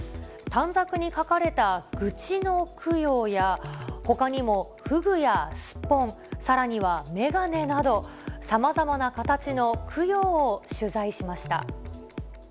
短冊に書かれた愚痴の供養や、ほかにも、ふぐやすっぽん、さらには眼鏡など、さまざまな形の供養を取材しました。